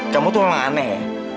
kamu tuh emang aneh ya